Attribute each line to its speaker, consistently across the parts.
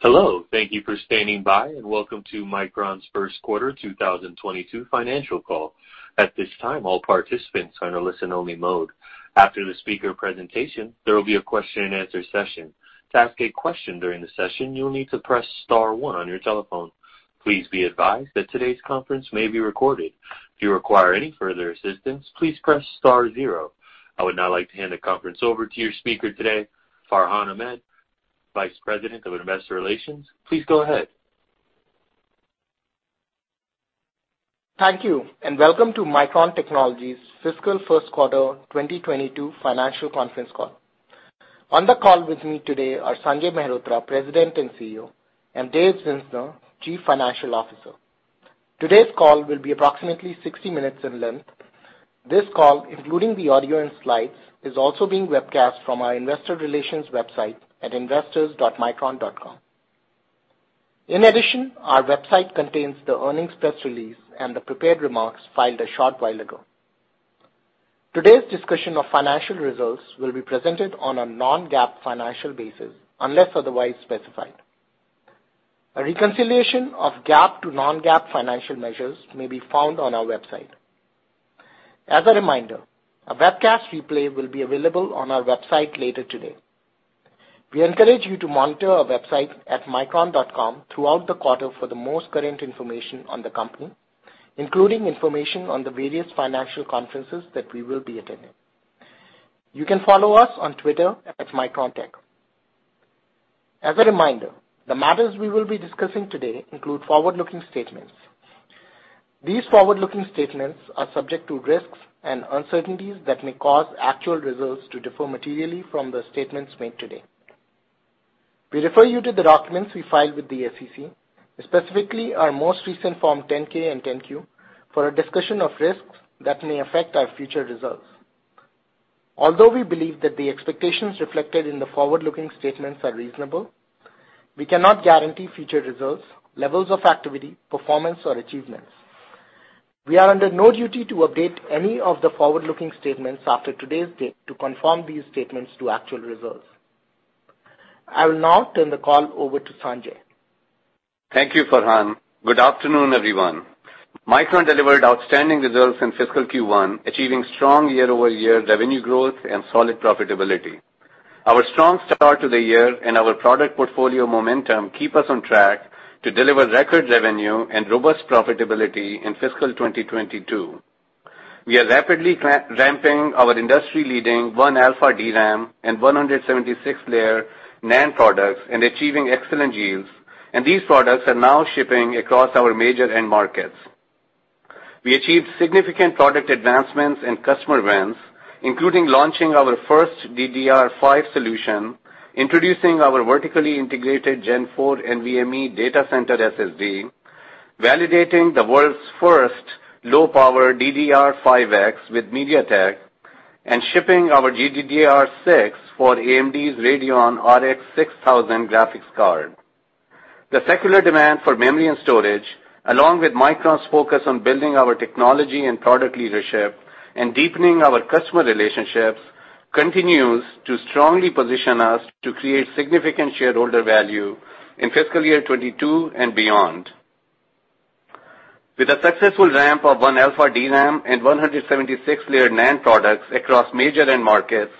Speaker 1: Hello, thank you for standing by, and welcome to Micron's first quarter 2022 financial call. At this time, all participants are in a listen-only mode. After the speaker presentation, there will be a question-and-answer session. To ask a question during the session, you'll need to press star one on your telephone. Please be advised that today's conference may be recorded. If you require any further assistance, please press star zero. I would now like to hand the conference over to your speaker today, Farhan Ahmad, Vice President of Investor Relations. Please go ahead.
Speaker 2: Thank you, and welcome to Micron Technology's fiscal first quarter 2022 financial conference call. On the call with me today are Sanjay Mehrotra, President and CEO, and Dave Zinsner, Chief Financial Officer. Today's call will be approximately 60 minutes in length. This call, including the audio and slides, is also being webcast from our investor relations website at investors.micron.com. In addition, our website contains the earnings press release, and the prepared remarks filed a short while ago. Today's discussion of financial results will be presented on a non-GAAP financial basis, unless otherwise specified. A reconciliation of GAAP to non-GAAP financial measures may be found on our website. As a reminder, a webcast replay will be available on our website later today. We encourage you to monitor our website at micron.com throughout the quarter for the most current information on the company, including information on the various financial conferences that we will be attending. You can follow us on Twitter at MicronTech. As a reminder, the matters we will be discussing today include forward-looking statements. These forward-looking statements are subject to risks and uncertainties that may cause actual results to differ materially from the statements made today. We refer you to the documents we filed with the SEC, specifically our most recent Form 10-K and 10-Q, for a discussion of risks that may affect our future results. Although we believe that the expectations reflected in the forward-looking statements are reasonable, we cannot guarantee future results, levels of activity, performance, or achievements. We are under no duty to update any of the forward-looking statements after today's date to conform these statements to actual results. I will now turn the call over to Sanjay.
Speaker 3: Thank you, Farhan. Good afternoon, everyone. Micron delivered outstanding results in fiscal Q1, achieving strong year-over-year revenue growth and solid profitability. Our strong start to the year and our product portfolio momentum keep us on track to deliver record revenue and robust profitability in fiscal 2022. We are rapidly ramping our industry-leading 1α DRAM and 176-layer NAND products and achieving excellent yields, and these products are now shipping across our major end markets. We achieved significant product advancements and customer wins, including launching our first DDR5 solution, introducing our vertically integrated Gen 4 NVMe data center SSD, validating the world's first LPDDR5X with MediaTek, and shipping our GDDR6 for AMD's Radeon RX 6000 graphics card. The secular demand for memory and storage, along with Micron's focus on building our technology and product leadership and deepening our customer relationships, continues to strongly position us to create significant shareholder value in fiscal year 2022 and beyond. With a successful ramp of 1α DRAM and 176-layer NAND products across major end markets,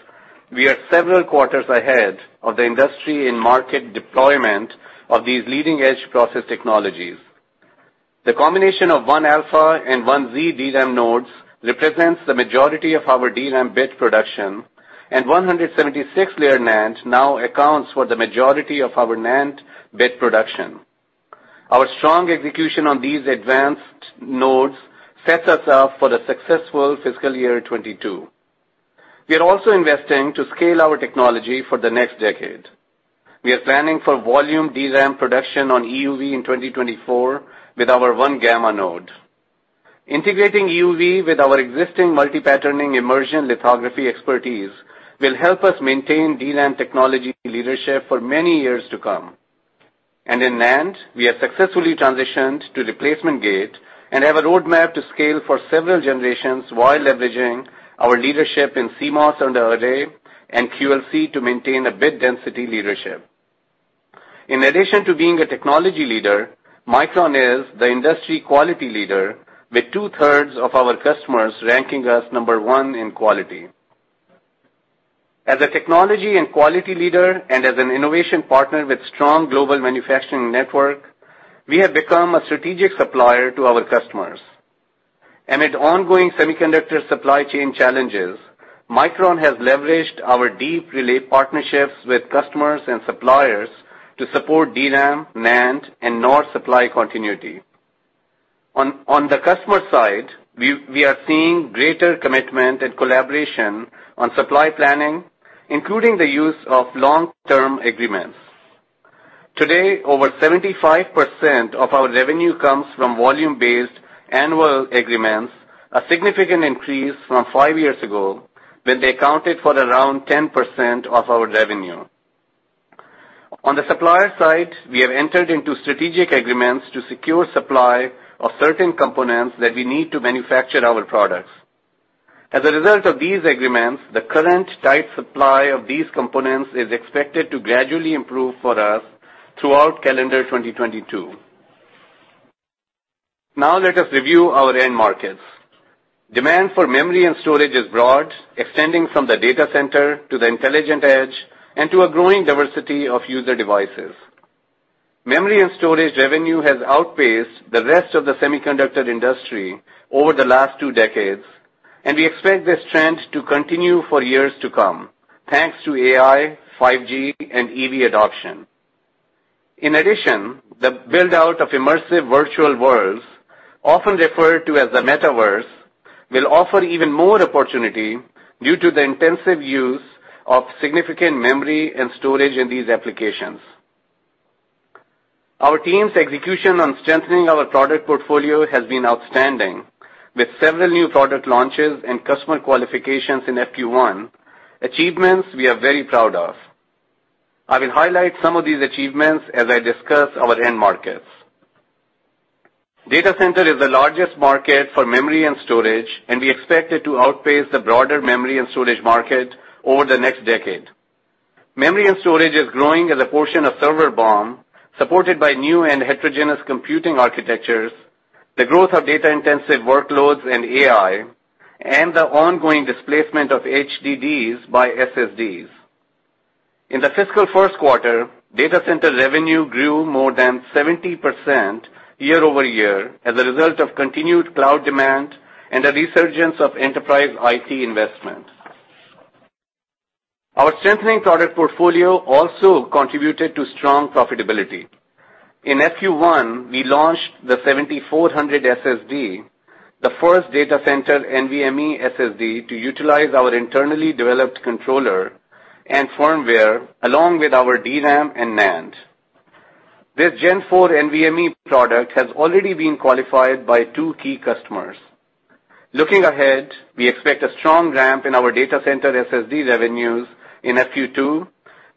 Speaker 3: we are several quarters ahead of the industry in market deployment of these leading-edge process technologies. The combination of 1α and 1z DRAM nodes represents the majority of our DRAM bit production, and 176-layer NAND now accounts for the majority of our NAND bit production. Our strong execution on these advanced nodes sets us up for the successful fiscal year 2022. We are also investing to scale our technology for the next decade. We are planning for volume DRAM production on EUV in 2024 with our 1γ node. Integrating EUV with our existing multi-patterning immersion lithography expertise will help us maintain DRAM technology leadership for many years to come. In NAND, we have successfully transitioned to replacement gate and have a roadmap to scale for several generations while leveraging our leadership in CMOS under the array and QLC to maintain a bit density leadership. In addition to being a technology leader, Micron is the industry quality leader with two-thirds of our customers ranking us number one in quality. As a technology and quality leader and as an innovation partner with strong global manufacturing network, we have become a strategic supplier to our customers. Amid ongoing semiconductor supply chain challenges, Micron has leveraged our deeply reliable partnerships with customers and suppliers to support DRAM, NAND, and NOR supply continuity. On the customer side, we are seeing greater commitment and collaboration on supply planning, including the use of long-term agreements. Today, over 75% of our revenue comes from volume-based annual agreements, a significant increase from five years ago, when they accounted for around 10% of our revenue. On the supplier side, we have entered into strategic agreements to secure supply of certain components that we need to manufacture our products. As a result of these agreements, the current tight supply of these components is expected to gradually improve for us throughout calendar 2022. Now let us review our end markets. Demand for memory and storage is broad, extending from the data center to the intelligent edge and to a growing diversity of user devices. Memory and storage revenue has outpaced the rest of the semiconductor industry over the last two decades, and we expect this trend to continue for years to come thanks to AI, 5G, and EV adoption. In addition, the build-out of immersive virtual worlds, often referred to as the metaverse, will offer even more opportunity due to the intensive use of significant memory and storage in these applications. Our team's execution on strengthening our product portfolio has been outstanding with several new product launches and customer qualifications in FQ1, achievements we are very proud of. I will highlight some of these achievements as I discuss our end markets. Data center is the largest market for memory and storage, and we expect it to outpace the broader memory and storage market over the next decade. Memory and storage is growing as a portion of server BOM, supported by new and heterogeneous computing architectures, the growth of data-intensive workloads and AI, and the ongoing displacement of HDDs by SSDs. In the fiscal first quarter, data center revenue grew more than 70% year-over-year as a result of continued cloud demand and a resurgence of enterprise IT investment. Our strengthening product portfolio also contributed to strong profitability. In FQ1, we launched the 7400 SSD, the first data center NVMe SSD to utilize our internally developed controller and firmware along with our DRAM and NAND. This Gen4 NVMe product has already been qualified by two key customers. Looking ahead, we expect a strong ramp in our data center SSD revenues in FQ2,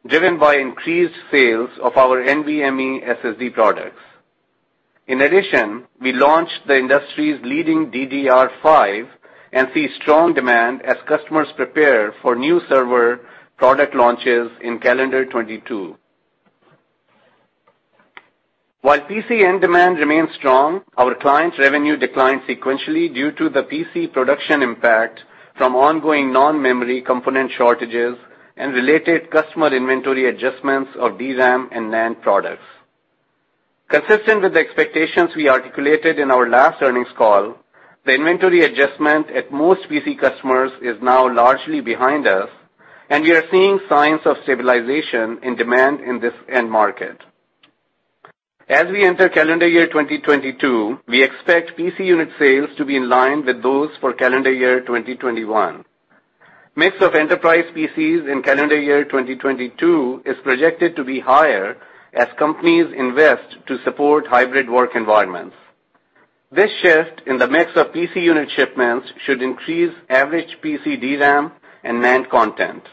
Speaker 3: driven by increased sales of our NVMe SSD products. In addition, we launched the industry's leading DDR5 and see strong demand as customers prepare for new server product launches in calendar 2022. While PC end demand remains strong, our client's revenue declined sequentially due to the PC production impact from ongoing non-memory component shortages and related customer inventory adjustments of DRAM and NAND products. Consistent with the expectations we articulated in our last earnings call, the inventory adjustment at most PC customers is now largely behind us, and we are seeing signs of stabilization in demand in this end market. As we enter calendar year 2022, we expect PC unit sales to be in line with those for calendar year 2021. Mix of enterprise PCs in calendar year 2022 is projected to be higher as companies invest to support hybrid work environments. This shift in the mix of PC unit shipments should increase average PC DRAM and NAND content.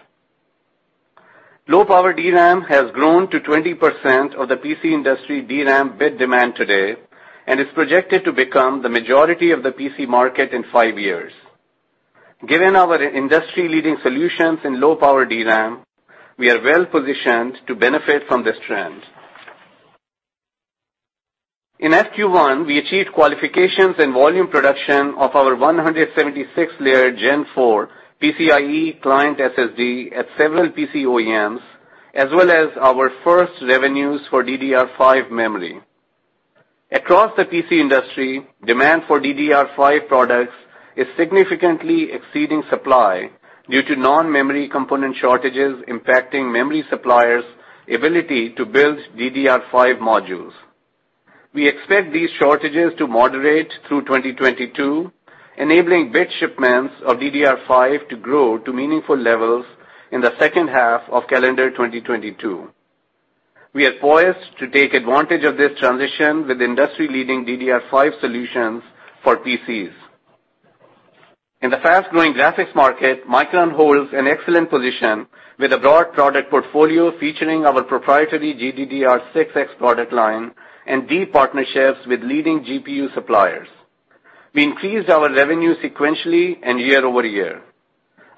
Speaker 3: Low-power DRAM has grown to 20% of the PC industry DRAM bit demand today and is projected to become the majority of the PC market in five years. Given our industry-leading solutions in low-power DRAM, we are well-positioned to benefit from this trend. In FQ1, we achieved qualifications and volume production of our 176-layer Gen4 PCIe client SSD at several PC OEMs, as well as our first revenues for DDR5 memory. Across the PC industry, demand for DDR5 products is significantly exceeding supply due to non-memory component shortages impacting memory suppliers' ability to build DDR5 modules. We expect these shortages to moderate through 2022, enabling bit shipments of DDR5 to grow to meaningful levels in the second half of calendar 2022. We are poised to take advantage of this transition with industry-leading DDR5 solutions for PCs. In the fast-growing graphics market, Micron holds an excellent position with a broad product portfolio featuring our proprietary GDDR6X product line and deep partnerships with leading GPU suppliers. We increased our revenue sequentially and year-over-year.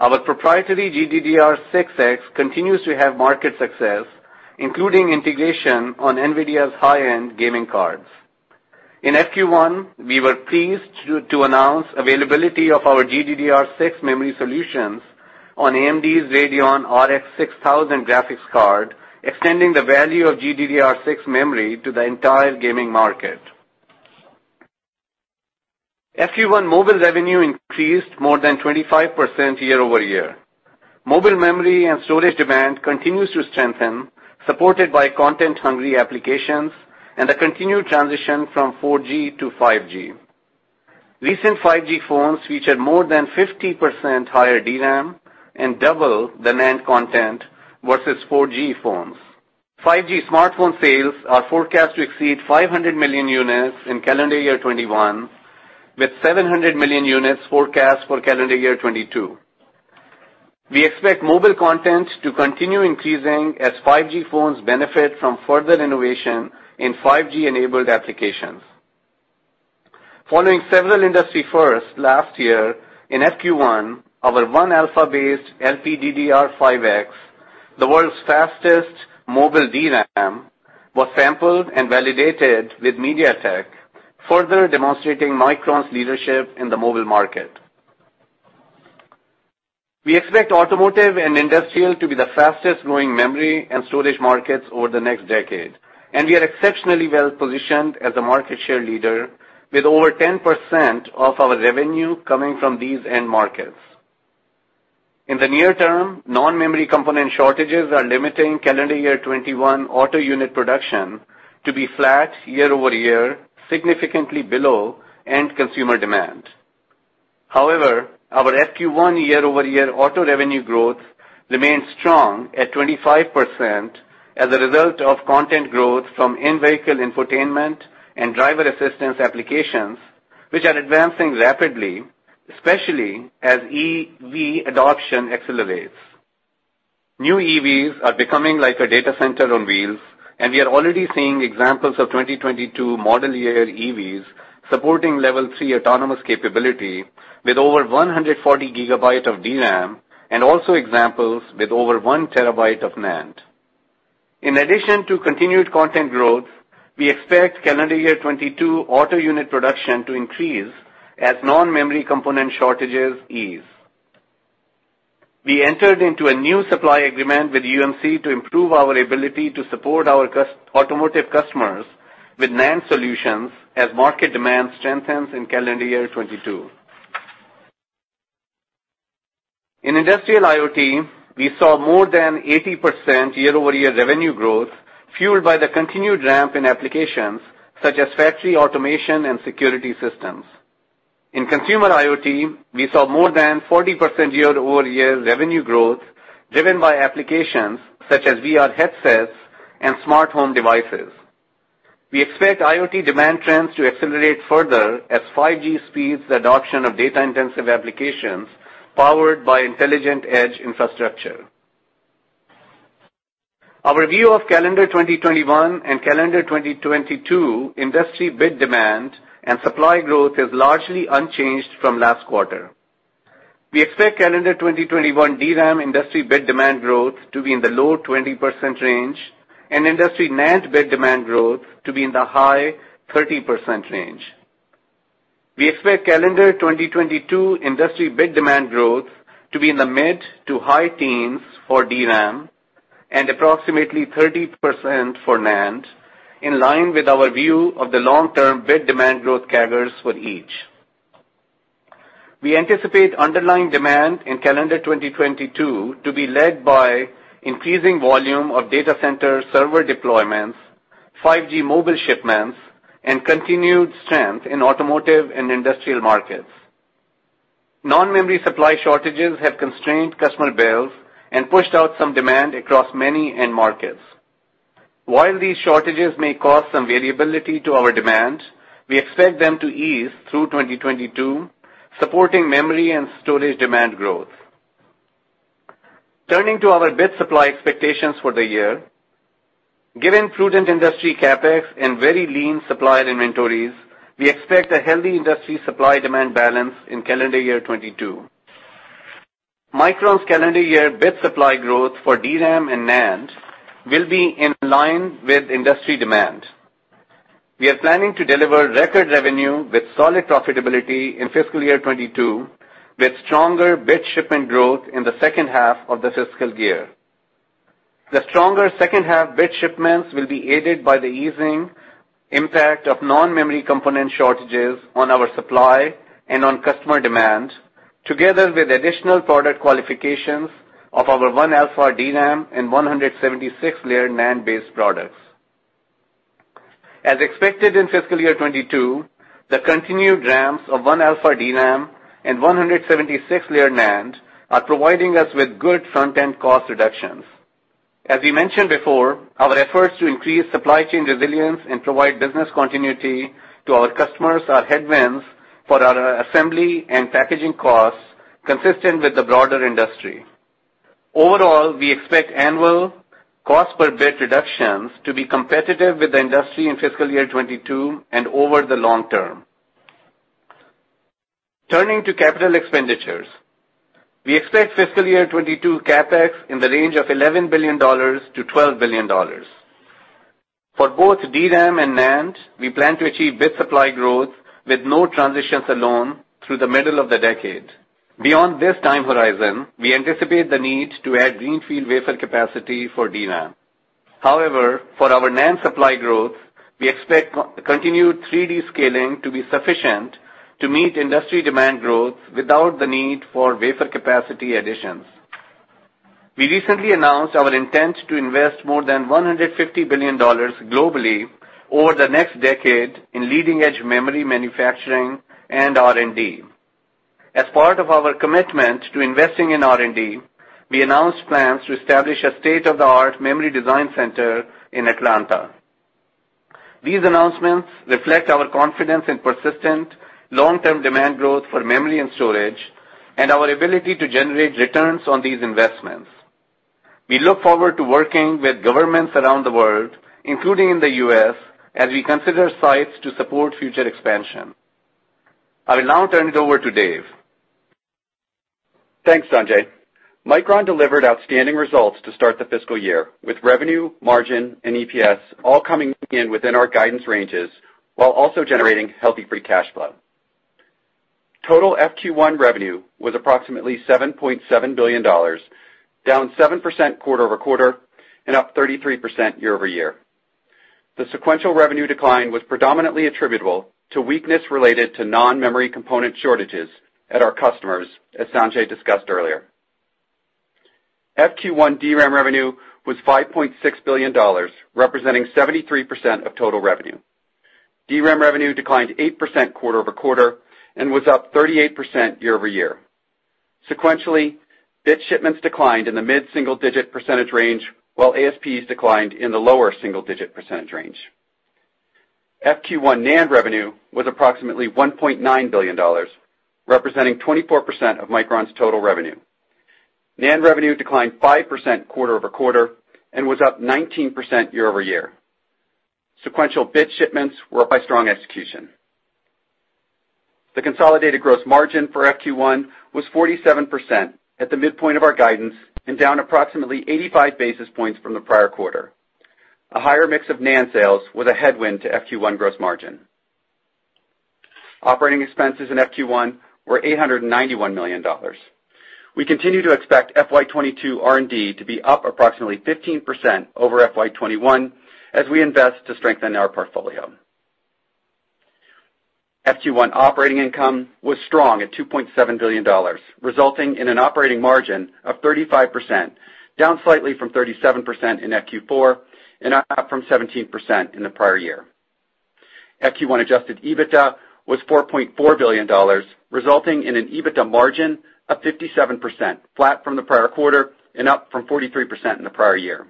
Speaker 3: Our proprietary GDDR6X continues to have market success, including integration on NVIDIA's high-end gaming cards. In FQ1, we were pleased to announce availability of our GDDR6 memory solutions on AMD's Radeon RX 6000 graphics card, extending the value of GDDR6 memory to the entire gaming market. FQ1 mobile revenue increased more than 25% year-over-year. Mobile memory and storage demand continues to strengthen, supported by content-hungry applications and the continued transition from 4G to 5G. Recent 5G phones feature more than 50% higher DRAM and double the NAND content versus 4G phones. 5G smartphone sales are forecast to exceed 500 million units in calendar year 2021, with 700 million units forecast for calendar year 2022. We expect mobile content to continue increasing as 5G phones benefit from further innovation in 5G-enabled applications. Following several industry firsts last year, in Q1, our 1α-based LPDDR5X, the world's fastest mobile DRAM, was sampled and validated with MediaTek, further demonstrating Micron's leadership in the mobile market. We expect automotive and industrial to be the fastest-growing memory and storage markets over the next decade, and we are exceptionally well-positioned as a market share leader with over 10% of our revenue coming from these end markets. In the near term, non-memory component shortages are limiting calendar year 2021 auto unit production to be flat year over year, significantly below end consumer demand. However, our Q1 year over year auto revenue growth remains strong at 25% as a result of content growth from in-vehicle infotainment and driver assistance applications, which are advancing rapidly, especially as EV adoption accelerates. New EVs are becoming like a data center on wheels, and we are already seeing examples of 2022 model year EVs supporting Level 3 autonomous capability with over 140 GB of DRAM and also examples with over 1 TB of NAND. In addition to continued content growth, we expect calendar year 2022 auto unit production to increase as non-memory component shortages ease. We entered into a new supply agreement with UMC to improve our ability to support our automotive customers with NAND solutions as market demand strengthens in calendar year 2022. In industrial IoT, we saw more than 80% year-over-year revenue growth, fueled by the continued ramp in applications such as factory automation and security systems. In consumer IoT, we saw more than 40% year-over-year revenue growth, driven by applications such as VR headsets and smart home devices. We expect IoT demand trends to accelerate further as 5G speeds the adoption of data-intensive applications powered by intelligent edge infrastructure. Our view of calendar 2021 and calendar 2022 industry bit demand and supply growth is largely unchanged from last quarter. We expect calendar 2021 DRAM industry bit demand growth to be in the low 20% range, and industry NAND bit demand growth to be in the high 30% range. We expect calendar 2022 industry bit demand growth to be in the mid- to high teens for DRAM and approximately 30% for NAND, in line with our view of the long-term bit demand growth CAGRs for each. We anticipate underlying demand in calendar 2022 to be led by increasing volume of data center server deployments, 5G mobile shipments, and continued strength in automotive and industrial markets. Non-memory supply shortages have constrained customer builds and pushed out some demand across many end markets. While these shortages may cause some variability to our demand, we expect them to ease through 2022, supporting memory and storage demand growth. Turning to our bit supply expectations for the year. Given prudent industry CapEx and very lean supplier inventories, we expect a healthy industry supply-demand balance in calendar year 2022. Micron's calendar year bit supply growth for DRAM and NAND will be in line with industry demand. We are planning to deliver record revenue with solid profitability in fiscal year 2022, with stronger bit shipment growth in the second half of the fiscal year. The stronger second half bit shipments will be aided by the easing impact of non-memory component shortages on our supply and on customer demand, together with additional product qualifications of our 1α DRAM and 176-layer NAND-based products. As expected in fiscal year 2022, the continued ramps of 1α DRAM and 176-layer NAND are providing us with good front-end cost reductions. As we mentioned before, our efforts to increase supply chain resilience and provide business continuity to our customers are headwinds for our assembly and packaging costs consistent with the broader industry. Overall, we expect annual cost per bit reductions to be competitive with the industry in fiscal year 2022 and over the long term. Turning to capital expenditures. We expect fiscal year 2022 CapEx in the range of $11 billion-$12 billion. For both DRAM and NAND, we plan to achieve bit supply growth with node transitions alone through the middle of the decade. Beyond this time horizon, we anticipate the need to add greenfield wafer capacity for DRAM. However, for our NAND supply growth, we expect continued 3D scaling to be sufficient to meet industry demand growth without the need for wafer capacity additions. We recently announced our intent to invest more than $150 billion globally over the next decade in leading-edge memory manufacturing and R&D. As part of our commitment to investing in R&D, we announced plans to establish a state-of-the-art memory design center in Atlanta. These announcements reflect our confidence in persistent long-term demand growth for memory and storage, and our ability to generate returns on these investments. We look forward to working with governments around the world, including in the U.S., as we consider sites to support future expansion. I will now turn it over to Dave.
Speaker 4: Thanks, Sanjay. Micron delivered outstanding results to start the fiscal year, with revenue, margin, and EPS all coming in within our guidance ranges while also generating healthy free cash flow. Total FQ1 revenue was approximately $7.7 billion, down 7% quarter-over-quarter and up 33% year-over-year. The sequential revenue decline was predominantly attributable to weakness related to non-memory component shortages at our customers, as Sanjay discussed earlier. FQ1 DRAM revenue was $5.6 billion, representing 73% of total revenue. DRAM revenue declined 8% quarter-over-quarter and was up 38% year-over-year. Sequentially, bit shipments declined in the mid-single-digit percentage range, while ASPs declined in the lower single-digit percentage range. FQ1 NAND revenue was approximately $1.9 billion, representing 24% of Micron's total revenue. NAND revenue declined 5% quarter-over-quarter and was up 19% year-over-year. Sequential bit shipments were up by strong execution. The consolidated gross margin for FQ 1 was 47% at the midpoint of our guidance and down approximately 85 basis points from the prior quarter. A higher mix of NAND sales was a headwind to FQ 1 gross margin. Operating expenses in FQ 1 were $891 million. We continue to expect FY 2022 R&D to be up approximately 15% over FY 2021 as we invest to strengthen our portfolio. FQ 1 operating income was strong at $2.7 billion, resulting in an operating margin of 35%, down slightly from 37% in FQ 4 and up from 17% in the prior year. FQ1 adjusted EBITDA was $4.4 billion, resulting in an EBITDA margin of 57%, flat from the prior quarter and up from 43% in the prior year.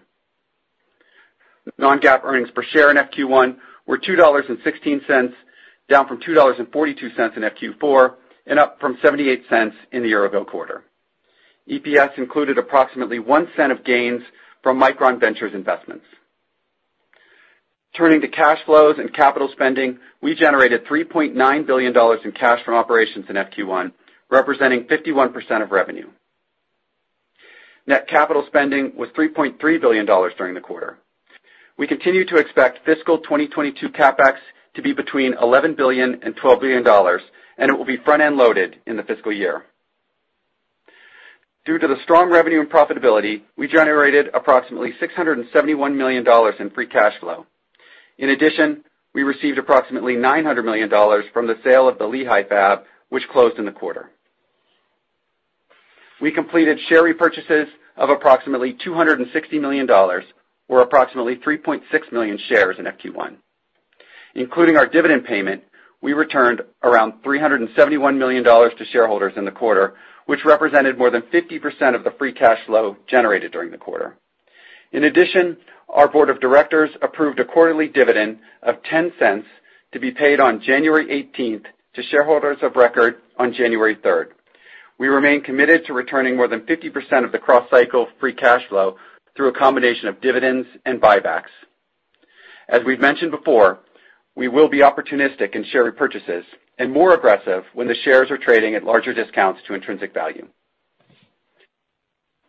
Speaker 4: Non-GAAP earnings per share in FQ1 were $2.16, down from $2.42 in FQ4, and up from $0.78 in the year ago quarter. EPS included approximately $0.01 of gains from Micron Ventures investments. Turning to cash flows and capital spending, we generated $3.9 billion in cash from operations in FQ1, representing 51% of revenue. Net capital spending was $3.3 billion during the quarter. We continue to expect fiscal 2022 CapEx to be between $11 billion and $12 billion, and it will be front-end loaded in the fiscal year. Due to the strong revenue and profitability, we generated approximately $671 million in free cash flow. In addition, we received approximately $900 million from the sale of the Lehigh fab, which closed in the quarter. We completed share repurchases of approximately $260 million, or approximately 3.6 million shares in FQ1. Including our dividend payment, we returned around $371 million to shareholders in the quarter, which represented more than 50% of the free cash flow generated during the quarter. In addition, our board of directors approved a quarterly dividend of $0.10 to be paid on January 18 to shareholders of record on January 3. We remain committed to returning more than 50% of the cross-cycle free cash flow through a combination of dividends and buybacks. As we've mentioned before, we will be opportunistic in share repurchases and more aggressive when the shares are trading at larger discounts to intrinsic value.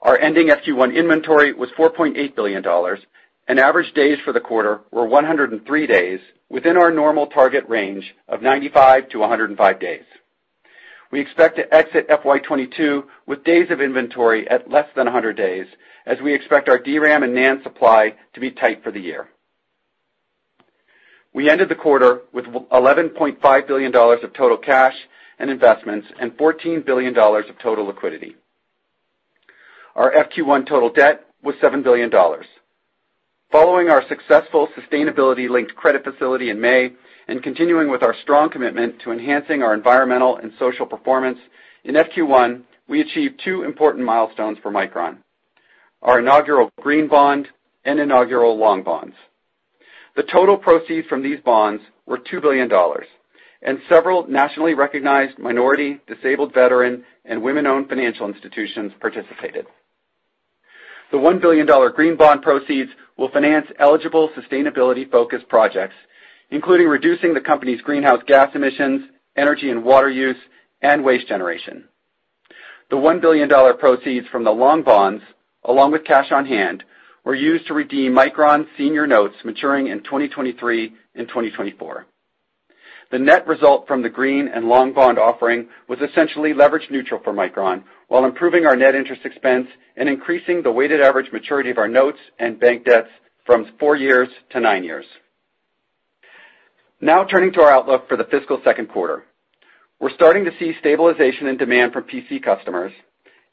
Speaker 4: Our ending FQ1 inventory was $4.8 billion, and average days for the quarter were 103 days, within our normal target range of 95-105 days. We expect to exit FY 2022 with days of inventory at less than 100 days as we expect our DRAM and NAND supply to be tight for the year. We ended the quarter with $11.5 billion of total cash and investments and $14 billion of total liquidity. Our FQ1 total debt was $7 billion. Following our successful sustainability linked credit facility in May and continuing with our strong commitment to enhancing our environmental and social performance, in FQ1, we achieved two important milestones for Micron, our inaugural green bond and inaugural long bonds. The total proceeds from these bonds were $2 billion and several nationally recognized minority, disabled veteran, and women-owned financial institutions participated. The $1 billion green bond proceeds will finance eligible sustainability focused projects, including reducing the company's greenhouse gas emissions, energy and water use, and waste generation. The $1 billion proceeds from the long bonds, along with cash on hand, were used to redeem Micron senior notes maturing in 2023 and 2024. The net result from the green bond offering was essentially leverage neutral for Micron while improving our net interest expense and increasing the weighted average maturity of our notes and bank debts from four years to nine years. Now turning to our outlook for the fiscal second quarter. We're starting to see stabilization in demand from PC customers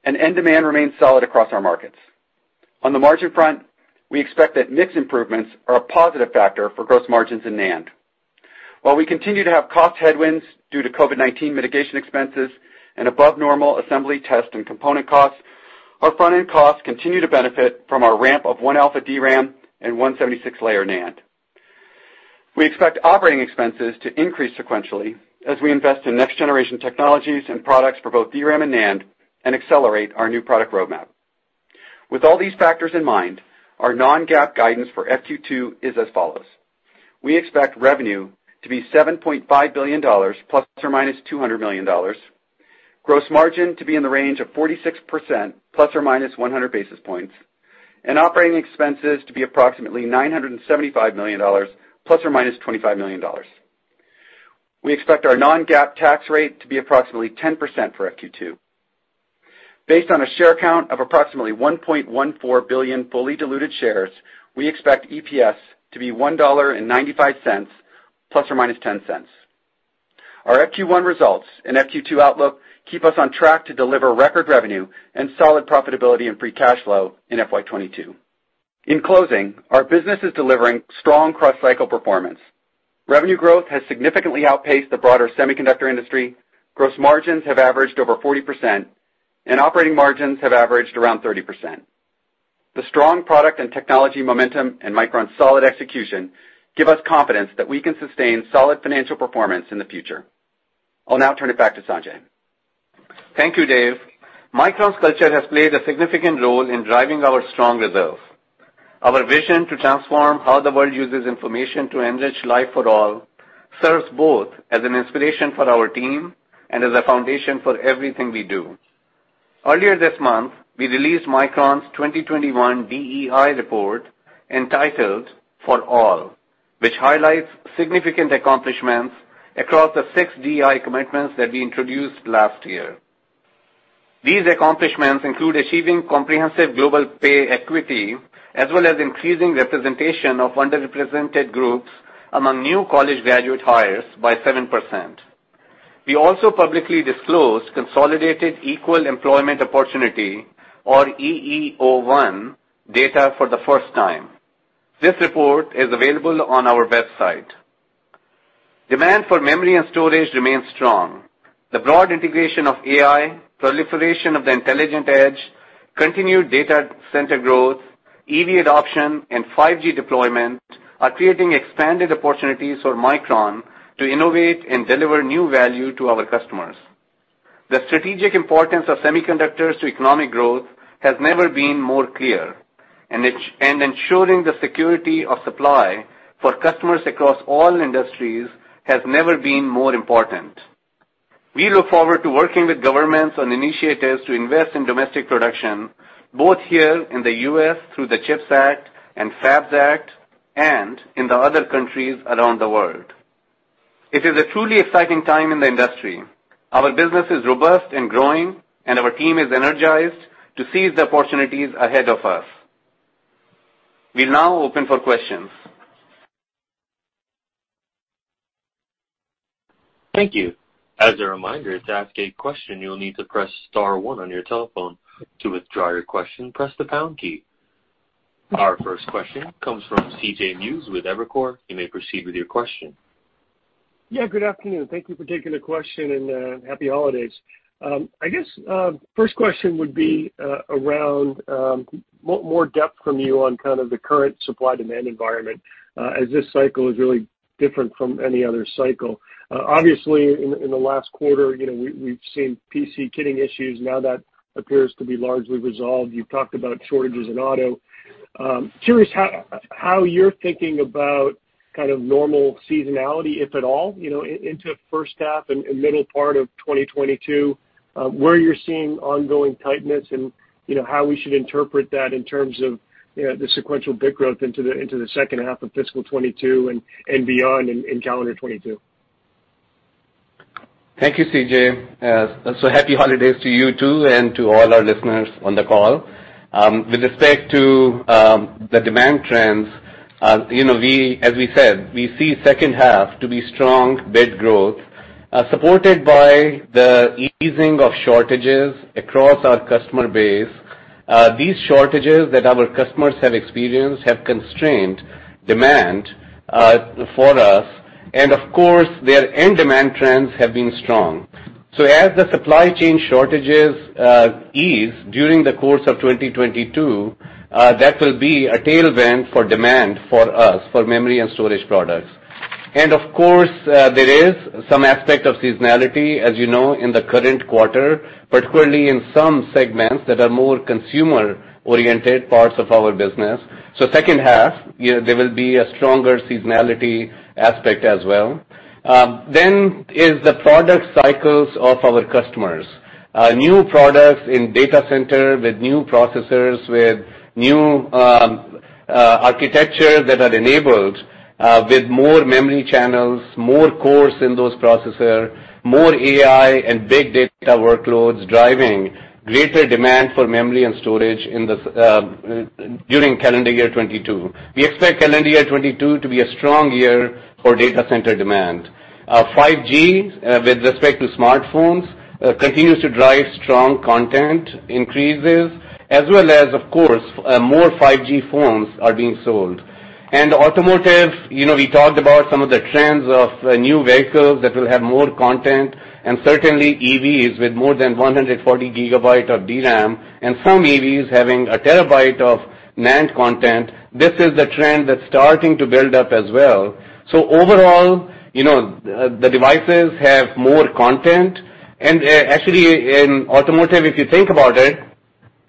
Speaker 4: and end demand remains solid across our markets. On the margin front, we expect that mix improvements are a positive factor for gross margins in NAND. While we continue to have cost headwinds due to COVID-19 mitigation expenses and above normal assembly test and component costs, our front-end costs continue to benefit from our ramp of 1α DRAM and 176-layer NAND. We expect operating expenses to increase sequentially as we invest in next generation technologies and products for both DRAM and NAND and accelerate our new product roadmap. With all these factors in mind, our non-GAAP guidance for FQ2 is as follows: We expect revenue to be $7.5 billion ± $200 million, gross margin to be in the range of 46% ± 100 basis points, and operating expenses to be approximately $975 million ± $25 million. We expect our non-GAAP tax rate to be approximately 10% for FQ2. Based on a share count of approximately 1.14 billion fully diluted shares, we expect EPS to be $1.95 ± $0.10. Our FQ1 results and FQ2 outlook keep us on track to deliver record revenue and solid profitability and free cash flow in FY 2022. In closing, our business is delivering strong cross-cycle performance. Revenue growth has significantly outpaced the broader semiconductor industry, gross margins have averaged over 40%, and operating margins have averaged around 30%. The strong product and technology momentum and Micron's solid execution give us confidence that we can sustain solid financial performance in the future. I'll now turn it back to Sanjay.
Speaker 3: Thank you, Dave. Micron's culture has played a significant role in driving our strong results. Our vision to transform how the world uses information to enrich life for all serves both as an inspiration for our team and as a foundation for everything we do. Earlier this month, we released Micron's 2021 DEI report entitled For All, which highlights significant accomplishments across the six DEI commitments that we introduced last year. These accomplishments include achieving comprehensive global pay equity, as well as increasing representation of underrepresented groups among new college graduate hires by 7%. We also publicly disclosed consolidated equal employment opportunity or EEO-1 data for the first time. This report is available on our website. Demand for memory and storage remains strong. The broad integration of AI, proliferation of the intelligent edge, continued data center growth, EV adoption, and 5G deployment are creating expanded opportunities for Micron to innovate and deliver new value to our customers. The strategic importance of semiconductors to economic growth has never been more clear, and ensuring the security of supply for customers across all industries has never been more important. We look forward to working with governments on initiatives to invest in domestic production, both here in the U.S. through the CHIPS Act and FABS Act and in the other countries around the world. It is a truly exciting time in the industry. Our business is robust and growing, and our team is energized to seize the opportunities ahead of us. We now open for questions.
Speaker 1: Thank you. As a reminder, to ask a question, you'll need to press star one on your telephone. To withdraw your question, press the pound key. Our first question comes from C.J. Muse with Evercore. You may proceed with your question.
Speaker 5: Yeah. Good afternoon. Thank you for taking the question and happy holidays. I guess first question would be around more depth from you on kind of the current supply-demand environment as this cycle is really different from any other cycle. Obviously in the last quarter, you know, we've seen PC kitting issues. Now that appears to be largely resolved. You've talked about shortages in auto. Curious how you're thinking about kind of normal seasonality, if at all, you know, into first half and middle part of 2022, where you're seeing ongoing tightness and, you know, how we should interpret that in terms of, you know, the sequential bit growth into the second half of fiscal 2022 and beyond in calendar 2022.
Speaker 3: Thank you, C.J. Happy holidays to you too and to all our listeners on the call. With respect to the demand trends, you know, as we said, we see second half to be strong bit growth, supported by the easing of shortages across our customer base. These shortages that our customers have experienced have constrained demand for us, and of course, their end demand trends have been strong. As the supply chain shortages ease during the course of 2022, that will be a tailwind for demand for us, for memory and storage products. Of course, there is some aspect of seasonality, as you know, in the current quarter, particularly in some segments that are more consumer-oriented parts of our business. Second half, you know, there will be a stronger seasonality aspect as well. The product cycles of our customers, new products in data center with new processors, with new architecture that are enabled with more memory channels, more cores in those processors, more AI and big data workloads driving greater demand for memory and storage in the data center during calendar year 2022. We expect calendar year 2022 to be a strong year for data center demand. 5G with respect to smartphones continues to drive strong content increases as well as, of course, more 5G phones are being sold. Automotive, you know, we talked about some of the trends of new vehicles that will have more content, and certainly EVs with more than 140 GB of DRAM and some EVs having a 1 TB of NAND content. This is the trend that's starting to build up as well. Overall, you know, the devices have more content. Actually, in automotive, if you think about it,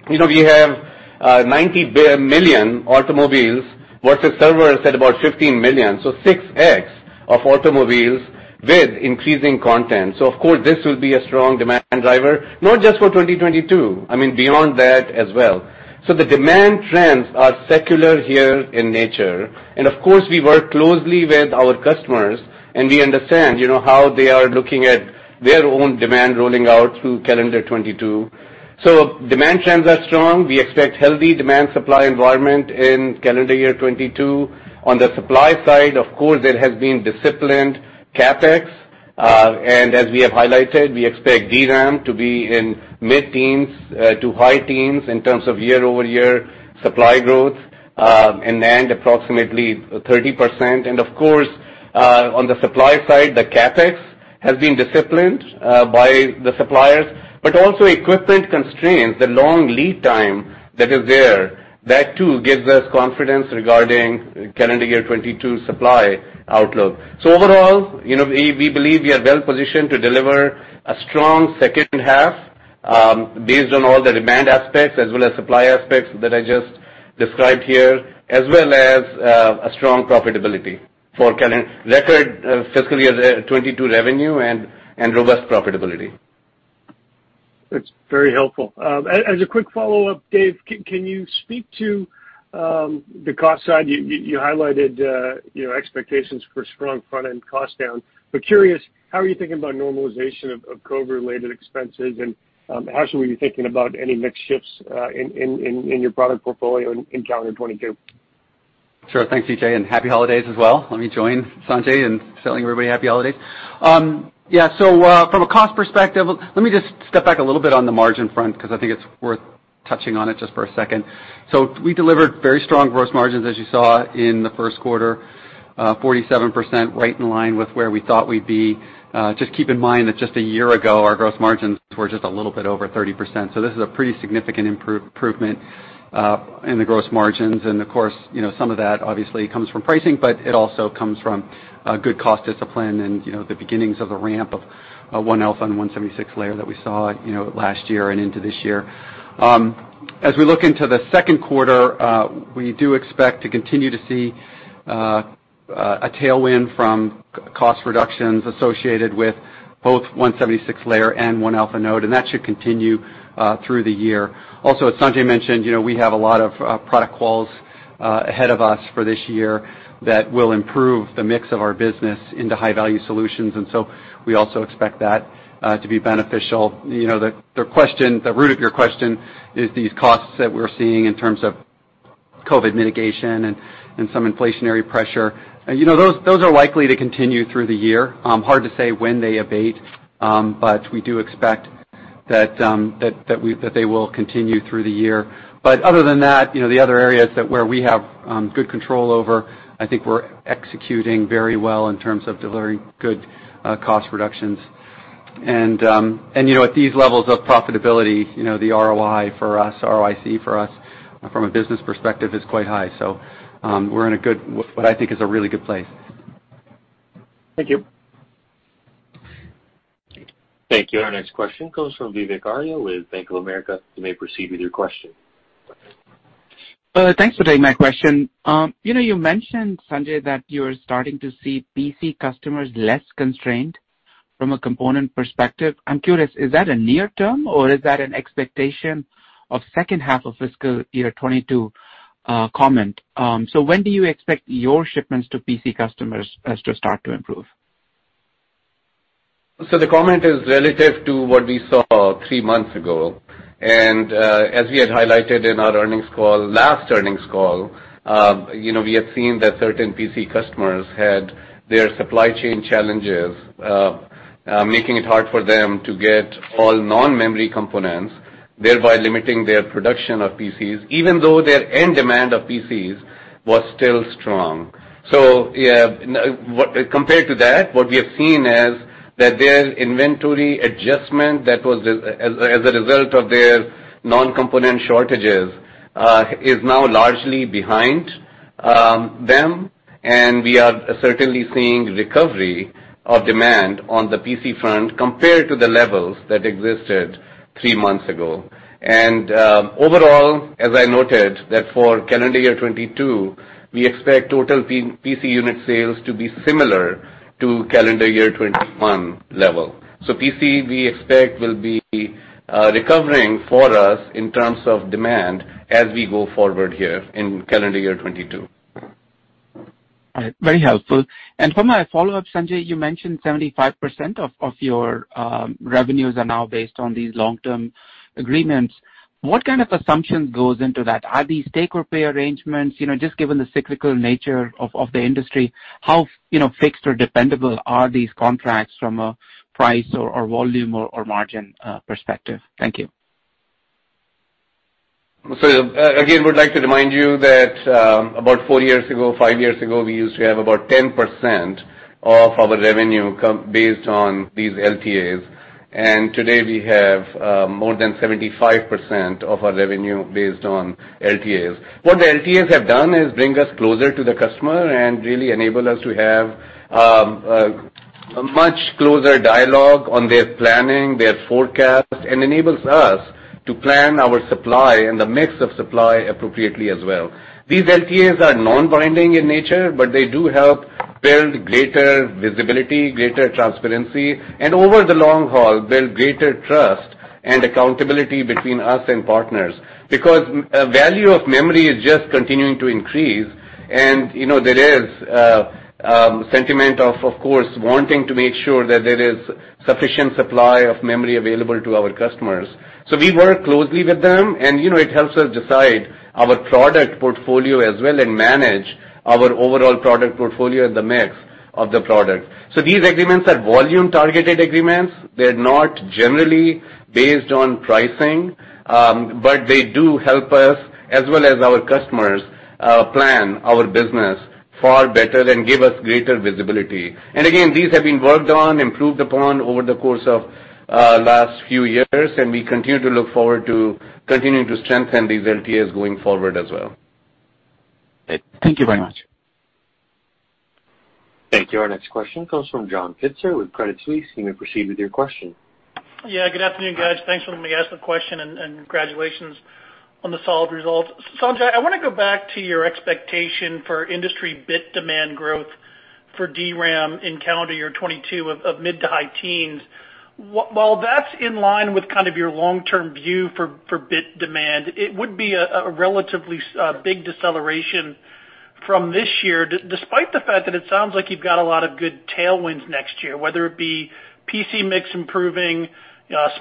Speaker 3: you know, we have 90 million automobiles versus servers at about 15 million, so 6x of automobiles with increasing content. Of course, this will be a strong demand driver, not just for 2022, I mean, beyond that as well. The demand trends are secular in nature. Of course, we work closely with our customers, and we understand, you know, how they are looking at their own demand rolling out through calendar 2022. Demand trends are strong. We expect healthy demand supply environment in calendar year 2022. On the supply side, of course, there has been disciplined CapEx. As we have highlighted, we expect DRAM to be in mid-teens to high-teens year-over-year supply growth, and NAND approximately 30%. Of course, on the supply side, the CapEx has been disciplined by the suppliers, but also equipment constraints, the long lead time that is there, that too gives us confidence regarding calendar year 2022 supply outlook. Overall, you know, we believe we are well-positioned to deliver a strong second half, based on all the demand aspects as well as supply aspects that I just described here, as well as a strong profitability for record fiscal year 2022 revenue and robust profitability.
Speaker 5: That's very helpful. As a quick follow-up, Dave, can you speak to the cost side? You highlighted, you know, expectations for strong front-end cost down. But curious, how are you thinking about normalization of COVID-related expenses, and actually were you thinking about any mix shifts in your product portfolio in calendar 2022?
Speaker 4: Sure. Thanks, C.J., and happy holidays as well. Let me join Sanjay in telling everybody happy holidays. From a cost perspective, let me just step back a little bit on the margin front because I think it's worth touching on it just for a second. We delivered very strong gross margins as you saw in the first quarter, 47% right in line with where we thought we'd be. Just keep in mind that just a year ago, our gross margins were just a little bit over 30%. This is a pretty significant improvement in the gross margins. Of course, you know, some of that obviously comes from pricing, but it also comes from good cost discipline and, you know, the beginnings of the ramp of 1α and 176-layer that we saw, you know, last year and into this year. As we look into the second quarter, we do expect to continue to see a tailwind from cost reductions associated with both 176-layer and 1α node, and that should continue through the year. Also, as Sanjay mentioned, you know, we have a lot of product wins ahead of us for this year that will improve the mix of our business into high-value solutions. We also expect that to be beneficial. You know, the root of your question is these costs that we're seeing in terms of COVID mitigation and some inflationary pressure. You know, those are likely to continue through the year. Hard to say when they abate, but we do expect that they will continue through the year. Other than that, you know, the other areas that we have good control over, I think we're executing very well in terms of delivering good cost reductions. You know, at these levels of profitability, you know, the ROI for us, ROIC for us from a business perspective is quite high. We're in what I think is a really good place.
Speaker 5: Thank you.
Speaker 1: Thank you. Our next question comes from Vivek Arya with Bank of America. You may proceed with your question.
Speaker 6: Thanks for taking my question. You know, you mentioned, Sanjay, that you are starting to see PC customers less constrained from a component perspective. I'm curious, is that a near term, or is that an expectation of second half of fiscal year 2022, comment? So, when do you expect your shipments to PC customers to start to improve?
Speaker 3: The comment is relative to what we saw three months ago. As we had highlighted in our earnings call, last earnings call, we have seen that certain PC customers had their supply chain challenges, making it hard for them to get all non-memory components, thereby limiting their production of PCs, even though their end demand of PCs was still strong. Compared to that, what we have seen is that their inventory adjustment that was as a result of their non-component shortages is now largely behind them, and we are certainly seeing recovery of demand on the PC front compared to the levels that existed three months ago. Overall, as I noted, that for calendar year 2022, we expect total PC unit sales to be similar to calendar year 2021 level. PC, we expect, will be recovering for us in terms of demand as we go forward here in calendar year 2022.
Speaker 6: All right, very helpful. For my follow-up, Sanjay, you mentioned 75% of your revenues are now based on these long-term agreements. What kind of assumptions goes into that? Are these take or pay arrangements? You know, just given the cyclical nature of the industry, how fixed or dependable are these contracts from a price or volume or margin perspective? Thank you.
Speaker 3: Again, we would like to remind you that, about four years ago, five years ago, we used to have about 10% of our revenue come based on these LTAs. Today, we have more than 75% of our revenue based on LTAs. What the LTAs have done is bring us closer to the customer and really enable us to have much closer dialogue on their planning, their forecast, and enables us to plan our supply and the mix of supply appropriately as well. These LTAs are non-binding in nature, but they do help build greater visibility, greater transparency, and over the long haul, build greater trust and accountability between us and partners. Because value of memory is just continuing to increase, and, you know, there is sentiment of course wanting to make sure that there is sufficient supply of memory available to our customers. We work closely with them and, you know, it helps us decide our product portfolio as well and manage our overall product portfolio and the mix of the product. These agreements are volume-targeted agreements. They're not generally based on pricing, but they do help us as well as our customers plan our business far better and give us greater visibility. Again, these have been worked on, improved upon over the course of last few years, and we continue to look forward to continuing to strengthen these LTAs going forward as well.
Speaker 6: Thank you very much.
Speaker 1: Thank you. Our next question comes from John Pitzer with Credit Suisse. You may proceed with your question.
Speaker 7: Yeah, good afternoon, guys. Thanks for letting me ask the question and congratulations on the solid results. Sanjay, I wanna go back to your expectation for industry bit demand growth for DRAM in calendar year 2022 of mid- to high-teens%. While that's in line with kind of your long-term view for bit demand, it would be a relatively big deceleration from this year, despite the fact that it sounds like you've got a lot of good tailwinds next year, whether it be PC mix improving,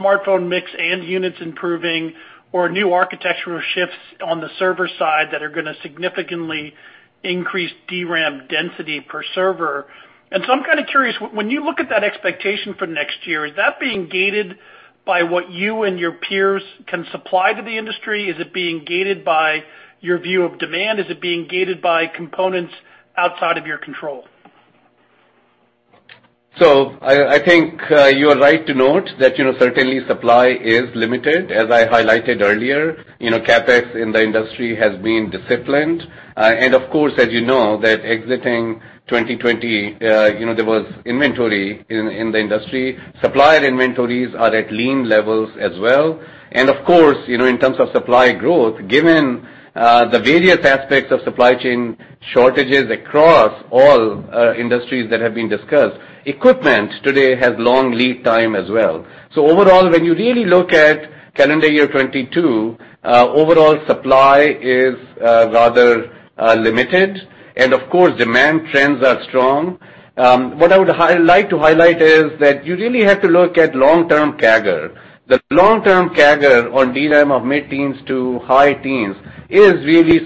Speaker 7: smartphone mix and units improving, or new architectural shifts on the server side that are gonna significantly increase DRAM density per server. I'm kind of curious, when you look at that expectation for next year, is that being gated by what you and your peers can supply to the industry? Is it being gated by your view of demand? Is it being gated by components outside of your control?
Speaker 3: I think you are right to note that, you know, certainly supply is limited. As I highlighted earlier, you know, CapEx in the industry has been disciplined. Of course, as you know, exiting 2020, you know, there was inventory in the industry. Supplier inventories are at lean levels as well. Of course, you know, in terms of supply growth, given the various aspects of supply chain shortages across all industries that have been discussed, equipment today has long lead time as well. Overall, when you really look at calendar year 2022, overall supply is rather limited. Of course, demand trends are strong. What I would like to highlight is that you really have to look at long-term CAGR. The long-term CAGR on DRAM of mid-teens to high teens is really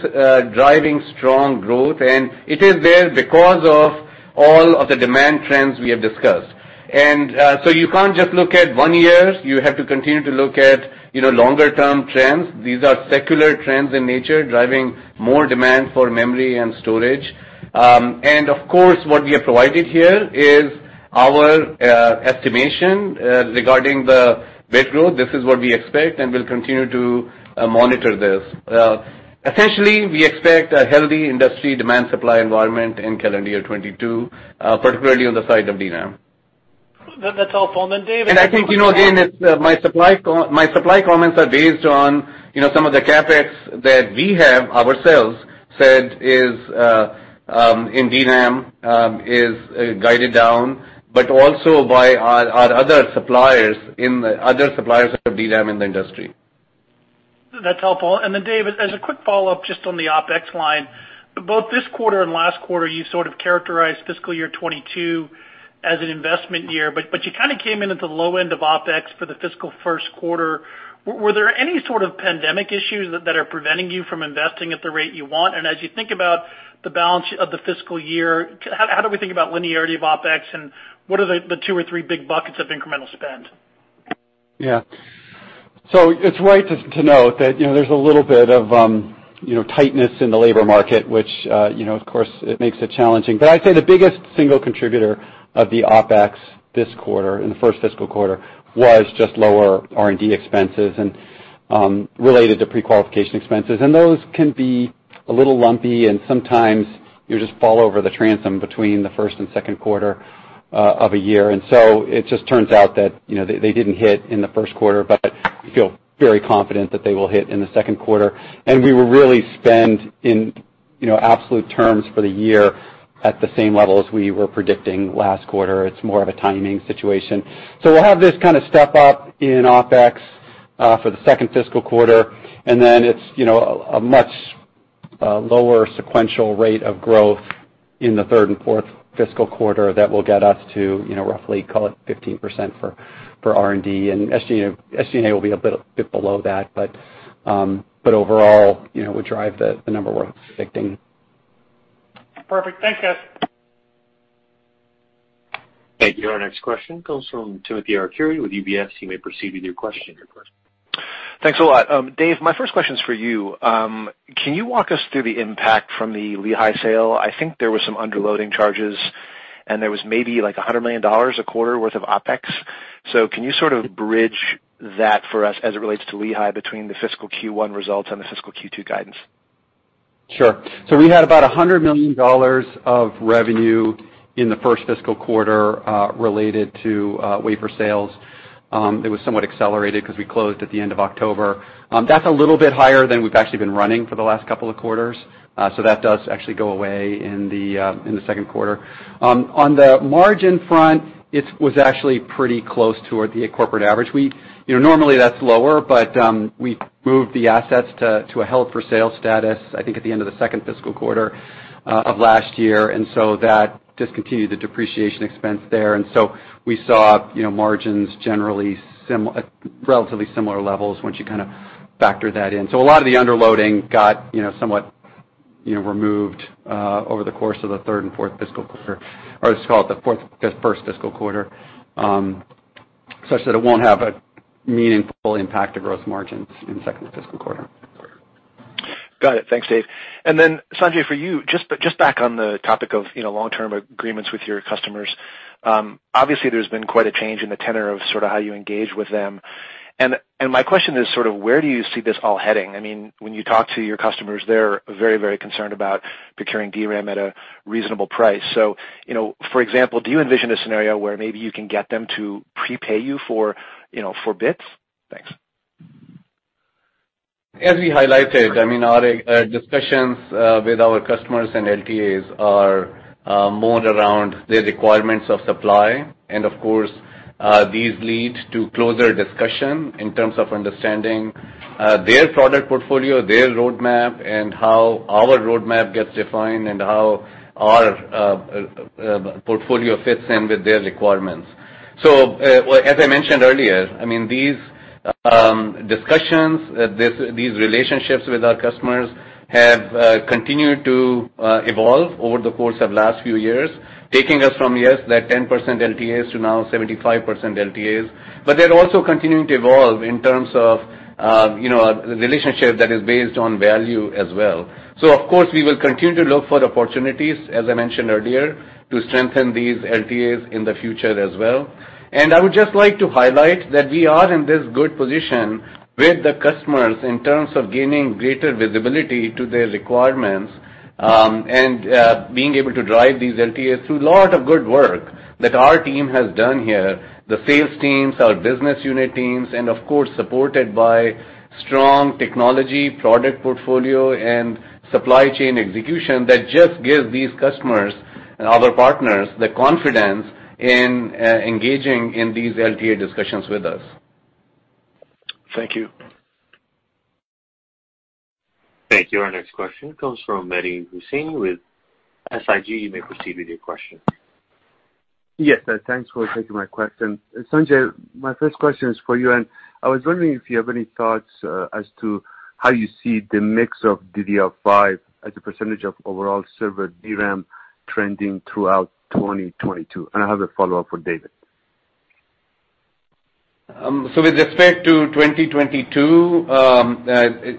Speaker 3: driving strong growth, and it is there because of all of the demand trends we have discussed. You can't just look at one year. You have to continue to look at, you know, longer term trends. These are secular trends in nature, driving more demand for memory and storage. Of course, what we have provided here is our estimation regarding the bit growth. This is what we expect, and we'll continue to monitor this. Essentially, we expect a healthy industry demand supply environment in calendar year 2022, particularly on the side of DRAM.
Speaker 7: That's helpful. Then Dave
Speaker 3: I think, you know, again, it's my supply comments are based on, you know, some of the CapEx that we have ourselves said is in DRAM, is guided down, but also by our other suppliers of DRAM in the industry.
Speaker 7: That's helpful. Dave, as a quick follow-up just on the OpEx line, both this quarter and last quarter, you sort of characterized fiscal year 2022 as an investment year, but you kind of came in at the low end of OpEx for the fiscal first quarter. Were there any sort of pandemic issues that are preventing you from investing at the rate you want? As you think about the balance of the fiscal year, how do we think about linearity of OpEx, and what are the two or three big buckets of incremental spend?
Speaker 4: Yeah. It's right to note that, you know, there's a little bit of tightness in the labor market, which, you know, of course makes it challenging. I'd say the biggest single contributor of the OpEx this quarter, in the first fiscal quarter, was just lower R&D expenses and related to pre-qualification expenses. Those can be a little lumpy and sometimes you just fall over the transom between the first and second quarter of a year. It just turns out that, you know, they didn't hit in the first quarter, but we feel very confident that they will hit in the second quarter. We will really spend in, you know, absolute terms for the year at the same level as we were predicting last quarter. It's more of a timing situation. We'll have this kind of step up in OpEx for the second fiscal quarter, and then it's you know a much lower sequential rate of growth in the third and fourth fiscal quarter that will get us to you know roughly call it 15% for R&D. SG&A will be a bit below that. But overall you know we drive the number we're predicting.
Speaker 7: Perfect. Thanks, guys.
Speaker 1: Thank you. Our next question comes from Timothy Arcuri with UBS. You may proceed with your question.
Speaker 8: Thanks a lot. Dave, my first question is for you. Can you walk us through the impact from the Lehigh sale? I think there was some underloading charges, and there was maybe, like, a $100 million a quarter worth of OpEx. Can you sort of bridge that for us as it relates to Lehigh between the fiscal Q1 results and the fiscal Q2 guidance?
Speaker 4: Sure. We had about $100 million of revenue in the first fiscal quarter related to wafer sales. It was somewhat accelerated because we closed at the end of October. That's a little bit higher than we've actually been running for the last couple of quarters, so that does actually go away in the second quarter. On the margin front, it was actually pretty close to the corporate average. We, you know, normally that's lower, but we moved the assets to a held for sale status, I think at the end of the second fiscal quarter of last year, and so that discontinued the depreciation expense there. We saw, you know, margins generally relatively similar levels once you kind of factor that in. A lot of the underloading got, you know, somewhat, you know, removed over the course of the fourth and first fiscal quarter such that it won't have a meaningful impact to gross margins in the second fiscal quarter.
Speaker 8: Got it. Thanks, Dave. Then, Sanjay, for you, just back on the topic of, you know, long-term agreements with your customers, obviously, there's been quite a change in the tenor of sort of how you engage with them. My question is sort of where do you see this all heading? I mean, when you talk to your customers, they're very, very concerned about procuring DRAM at a reasonable price. You know, for example, do you envision a scenario where maybe you can get them to prepay you for, you know, for bits? Thanks.
Speaker 3: As we highlighted, I mean, our discussions with our customers and LTAs are more around the requirements of supply. Of course, these lead to closer discussion in terms of understanding their product portfolio, their roadmap, and how our roadmap gets defined and how our portfolio fits in with their requirements. As I mentioned earlier, I mean, these discussions, these relationships with our customers have continued to evolve over the course of last few years, taking us from, yes, that 10% LTAs to now 75% LTAs. They're also continuing to evolve in terms of, you know, a relationship that is based on value as well. Of course, we will continue to look for opportunities, as I mentioned earlier, to strengthen these LTAs in the future as well. I would just like to highlight that we are in this good position with the customers in terms of gaining greater visibility to their requirements, and being able to drive these LTAs through a lot of good work that our team has done here, the sales teams, our business unit teams, and of course, supported by strong technology, product portfolio and supply chain execution that just gives these customers and other partners the confidence in engaging in these LTA discussions with us.
Speaker 8: Thank you.
Speaker 1: Thank you. Our next question comes from Mehdi Hosseini with SIG. You may proceed with your question.
Speaker 9: Yes, thanks for taking my question. Sanjay, my first question is for you, and I was wondering if you have any thoughts, as to how you see the mix of DDR5 as a percentage of overall server DRAM trending throughout 2022. I have a follow-up for Dave.
Speaker 3: With respect to 2022,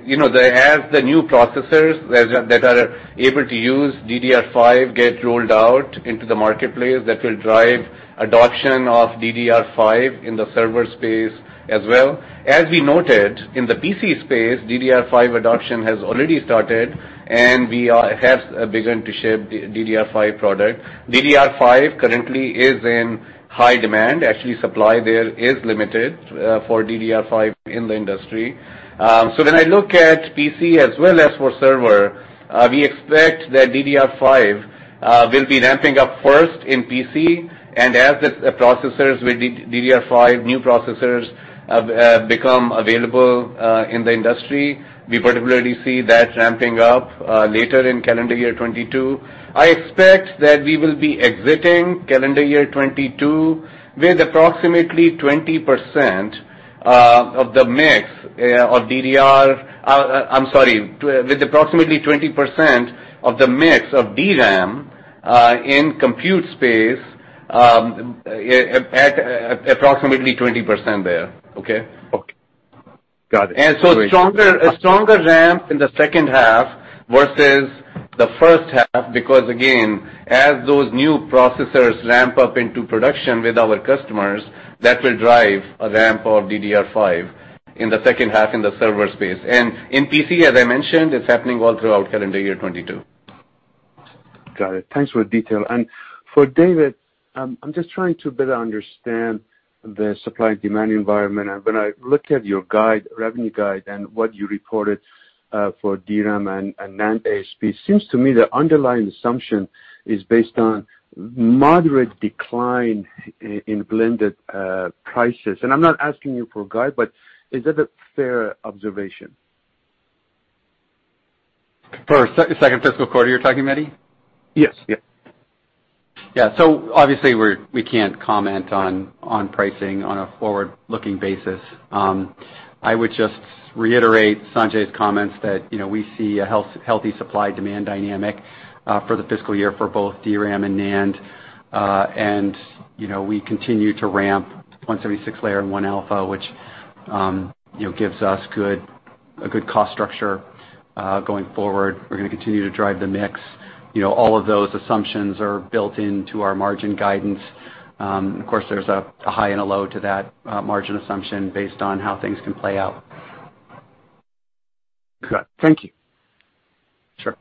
Speaker 3: you know, as the new processors that are able to use DDR5 get rolled out into the marketplace, that will drive adoption of DDR5 in the server space as well. As we noted, in the PC space, DDR5 adoption has already started, and we have begun to ship DDR5 product. DDR5 currently is in high demand. Actually, supply there is limited for DDR5 in the industry. When I look at PC as well as for server, we expect that DDR5 will be ramping up first in PC. As the processors with DDR5, new processors, become available in the industry, we particularly see that ramping up later in calendar year 2022. I expect that we will be exiting calendar year 2022 with approximately 20% of the mix of DDR... I'm sorry, with approximately 20% of the mix of DRAM in compute space at approximately 20% there. Okay.
Speaker 9: Okay. Got it.
Speaker 3: A stronger ramp in the second half versus the first half, because again, as those new processors ramp up into production with our customers, that will drive a ramp of DDR5 in the second half in the server space. In PC, as I mentioned, it's happening well throughout calendar year 2022.
Speaker 9: Got it. Thanks for the detail. For Dave, I'm just trying to better understand the supply and demand environment. When I look at your guide, revenue guide and what you reported, for DRAM and NAND ASP, it seems to me the underlying assumption is based on moderate decline in blended prices. I'm not asking you for a guide, but is that a fair observation?
Speaker 4: For second fiscal quarter, you're talking, Mehdi?
Speaker 9: Yes. Yes.
Speaker 4: Yeah. Obviously, we can't comment on pricing on a forward-looking basis. I would just reiterate Sanjay's comments that, you know, we see a healthy supply-demand dynamic. For the fiscal year for both DRAM and NAND. You know, we continue to ramp 176-layer and 1α, which you know gives us a good cost structure going forward. We're gonna continue to drive the mix. You know, all of those assumptions are built into our margin guidance. Of course, there's a high and a low to that margin assumption based on how things can play out.
Speaker 9: Got it. Thank you.
Speaker 3: Sure.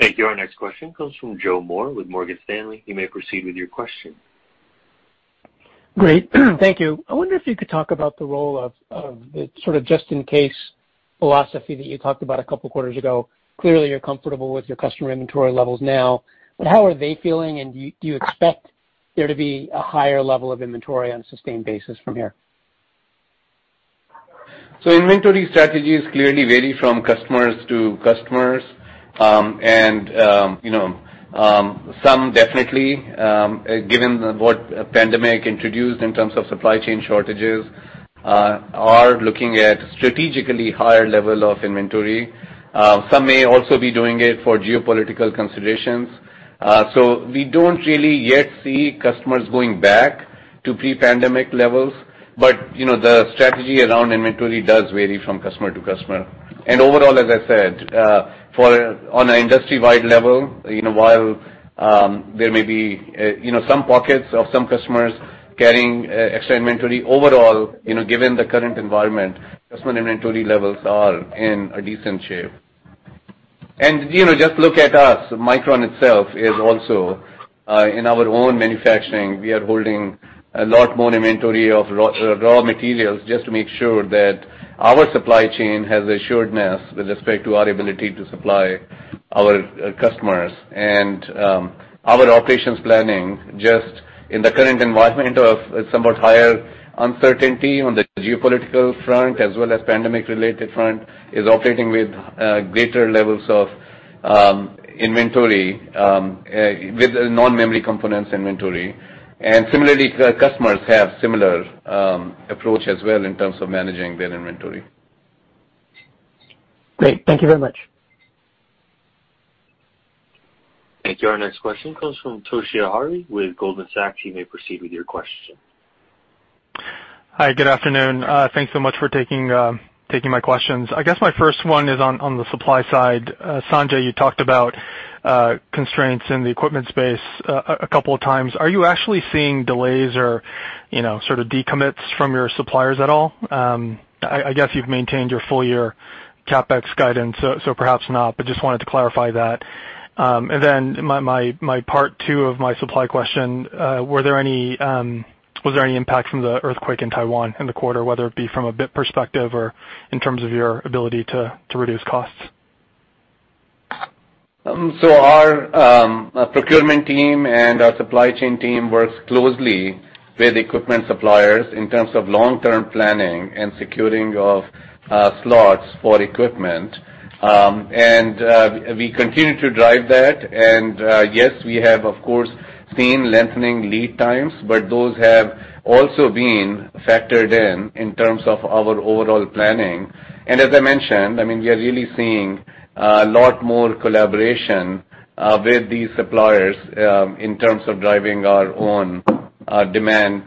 Speaker 1: Thank you. Our next question comes from Joseph Moore with Morgan Stanley. You may proceed with your question.
Speaker 10: Great. Thank you. I wonder if you could talk about the role of the sort of just in case philosophy that you talked about a couple quarters ago. Clearly, you're comfortable with your customer inventory levels now, but how are they feeling, and do you expect there to be a higher level of inventory on a sustained basis from here?
Speaker 3: Inventory strategies clearly vary from customer to customer. Some definitely, given what the pandemic introduced in terms of supply chain shortages, are looking at strategically higher level of inventory. Some may also be doing it for geopolitical considerations. We don't really yet see customers going back to pre-pandemic levels, but you know, the strategy around inventory does vary from customer to customer. Overall, as I said, on an industry-wide level, you know, while there maybe you know, some pockets of some customers carrying extra inventory overall, you know, given the current environment, customer inventory levels are in a decent shape. You know, just look at us. Micron itself is also in our own manufacturing, we are holding a lot more inventory of raw materials just to make sure that our supply chain has assuredness with respect to our ability to supply our customers. Our operations planning, just in the current environment of somewhat higher uncertainty on the geopolitical front as well as pandemic-related front, is operating with greater levels of inventory with non-memory components inventory. Similarly, customers have similar approach as well in terms of managing their inventory.
Speaker 10: Great. Thank you very much.
Speaker 1: Thank you. Our next question comes from Toshiya Hari with Goldman Sachs. You may proceed with your question.
Speaker 11: Hi, good afternoon. Thanks so much for taking my questions. I guess my first one is on the supply side. Sanjay, you talked about constraints in the equipment space a couple of times. Are you actually seeing delays or, you know, sort of decommits from your suppliers at all? I guess you've maintained your full-year CapEx guidance, so perhaps not, but just wanted to clarify that. My part two of my supply question, was there any impact from the earthquake in Taiwan in the quarter, whether it be from a bit perspective or in terms of your ability to reduce costs?
Speaker 3: Our procurement team and our supply chain team work closely with equipment suppliers in terms of long-term planning and securing of slots for equipment. We continue to drive that. Yes, we have, of course, seen lengthening lead times, but those have also been factored in terms of our overall planning. As I mentioned, I mean, we are really seeing a lot more collaboration with these suppliers in terms of driving our own demand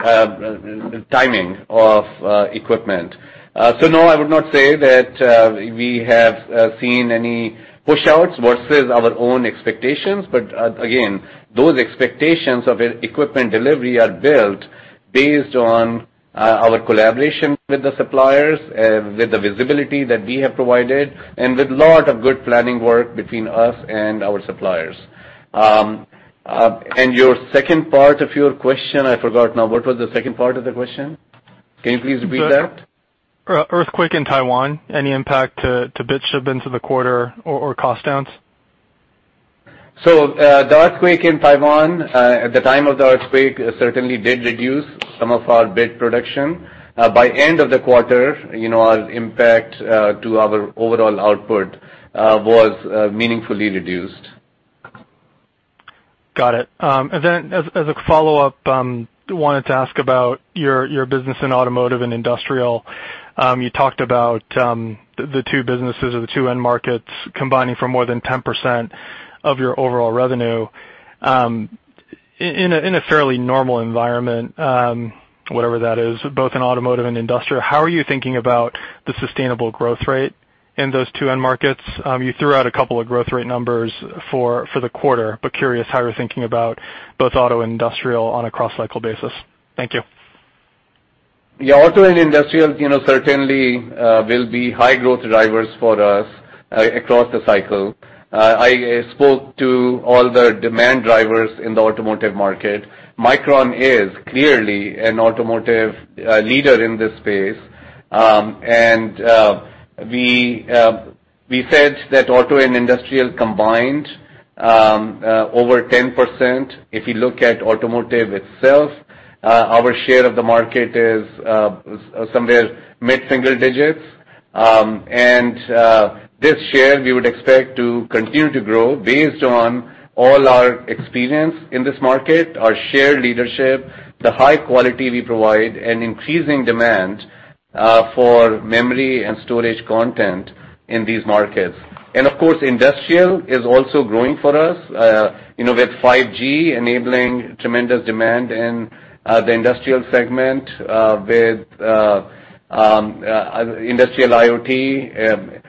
Speaker 3: timing of equipment. No, I would not say that we have seen any pushouts versus our own expectations. Again, those expectations of equipment delivery are built based on our collaboration with the suppliers and with the visibility that we have provided and with lot of good planning work between us and our suppliers. Your second part of your question, I forgot now. What was the second part of the question? Can you please repeat that?
Speaker 11: Earthquake in Taiwan, any impact to bit shipment into the quarter or cost downs?
Speaker 3: The earthquake in Taiwan, at the time of the earthquake, certainly did reduce some of our bit production. By end of the quarter, you know, our impact to our overall output was meaningfully reduced.
Speaker 11: Got it. As a follow-up, wanted to ask about your business in automotive and industrial. You talked about the two businesses or the two end markets combining for more than 10% of your overall revenue. In a fairly normal environment, whatever that is, both in automotive and industrial, how are you thinking about the sustainable growth rate in those two end markets? You threw out a couple of growth rate numbers for the quarter, but curious how you're thinking about both auto and industrial on a cross-cycle basis. Thank you.
Speaker 3: Yeah. Auto and industrial, you know, certainly will be high growth drivers for us across the cycle. I spoke to all the demand drivers in the automotive market. Micron is clearly an automotive leader in this space. We said that auto and industrial combined over 10%. If you look at automotive itself, our share of the market is somewhere mid-single digits. This shares we would expect to continue to grow based on all our experience in this market, our shared leadership, the high quality we provide, and increasing demand for memory and storage content in these markets. Of course, industrial is also growing for us, you know, with 5G enabling tremendous demand in the industrial segment, with industrial IoT,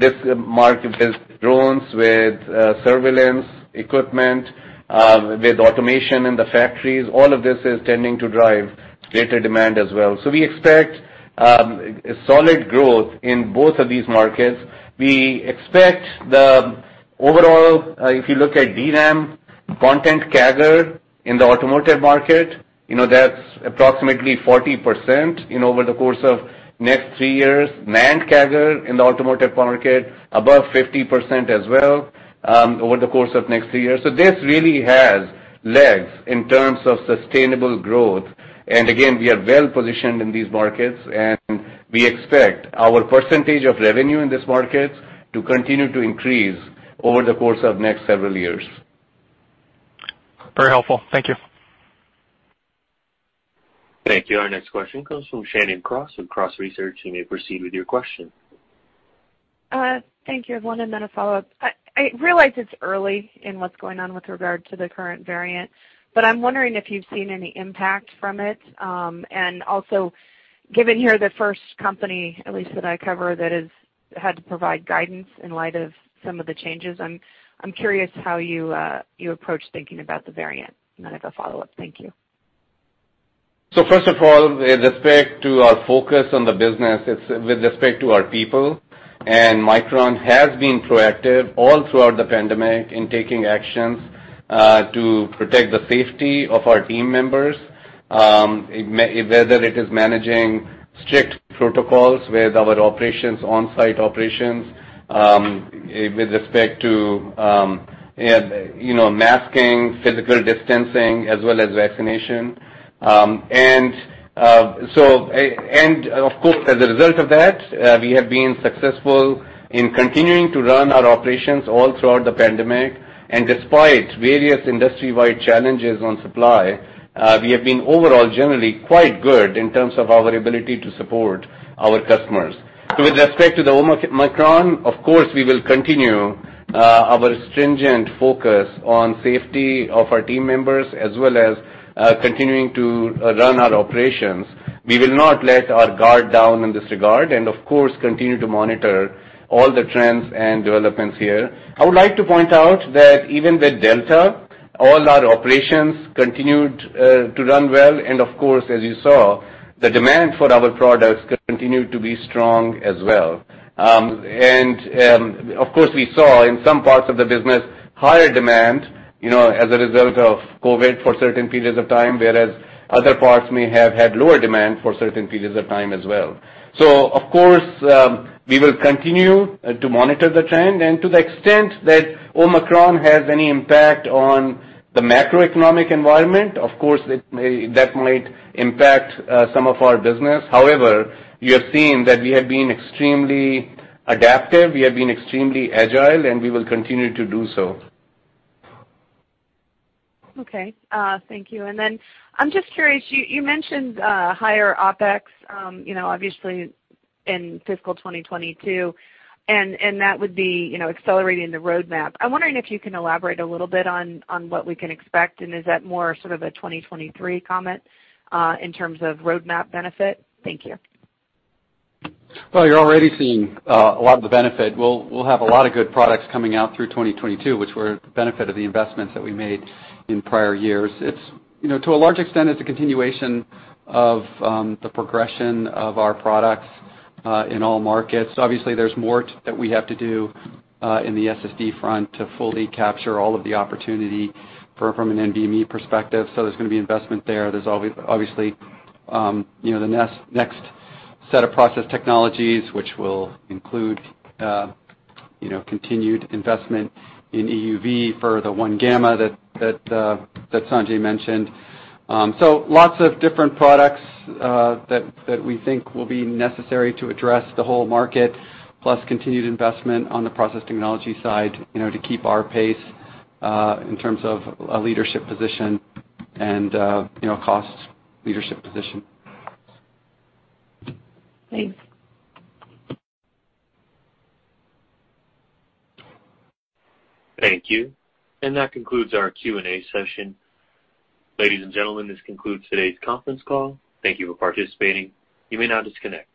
Speaker 3: this market with drones, with surveillance equipment, with automation in the factories. All of this is tending to drive greater demand as well. We expect a solid growth in both of these markets. We expect the overall if you look at DRAM content CAGR in the automotive market, you know, that's approximately 40%, you know, over the course of next three years. NAND CAGR in the automotive market above 50% as well, over the course of next three years. This really has legs in terms of sustainable growth. We are well-positioned in these markets, and we expect our percentage of revenue in this market to continue to increase over the course of next several years.
Speaker 11: Very helpful. Thank you. Thank you. Our next question comes from Shannon Cross with Cross Research. You may proceed with your question.
Speaker 12: Thank you. I have one and then a follow-up. I realize it's early in what's going on with regard to the current variant, but I'm wondering if you've seen any impact from it. Also given you're the first company, at least that I cover, that has had to provide guidance in light of some of the changes, I'm curious how you approach thinking about the variant. I have a follow-up. Thank you.
Speaker 3: First of all, with respect to our focus on the business, it's with respect to our people. Micron has been proactive all throughout the pandemic in taking actions to protect the safety of our team members, whether it is managing strict protocols with our operations, on-site operations, with respect to you know, masking, physical distancing, as well as vaccination. Of course, as a result of that, we have been successful in continuing to run our operations all throughout the pandemic. Despite various industry-wide challenges on supply, we have been overall generally quite good in terms of our ability to support our customers. With respect to the Omicron, of course, we will continue our stringent focus on safety of our team members as well as continuing to run our operations. We will not let our guard down in this regard and of course, continue to monitor all the trends and developments here. I would like to point out that even with Delta, all our operations continued to run well and of course, as you saw, the demand for our products continued to be strong as well. Of course, we saw in some parts of the business, higher demand, you know, as a result of COVID for certain periods of time, whereas other parts may have had lower demand for certain periods of time as well. Of course, we will continue to monitor the trend. To the extent that Omicron has any impact on the macroeconomic environment, of course, that might impact some of our business. However, you have seen that we have been extremely adaptive, we have been extremely agile, and we will continue to do so.
Speaker 12: Okay, thank you. I'm just curious, you mentioned higher OpEx, you know, obviously in fiscal 2022, and that would be, you know, accelerating the roadmap. I'm wondering if you can elaborate a little bit on what we can expect, and is that more sort of a 2023 comment in terms of roadmap benefit? Thank you.
Speaker 4: Well, you're already seeing a lot of the benefit. We'll have a lot of good products coming out through 2022, which were a benefit of the investments that we made in prior years. It's, you know, to a large extent, it's a continuation of the progression of our products in all markets. Obviously, there's more that we have to do in the SSD front to fully capture all of the opportunity from an NVMe perspective. So, there's gonna be investment there. There's obviously, you know, the next set of process technologies, which will include, you know, continued investment in EUV for the 1γ that Sanjay mentioned. Lots of different products that we think will be necessary to address the whole market, plus continued investment on the process technology side, you know, to keep our pace in terms of a leadership position and, you know, cost leadership position.
Speaker 12: Thanks.
Speaker 1: Thank you. And that concludes our Q&A session. Ladies and gentlemen, this concludes today's conference call. Thank you for participating. You may now disconnect.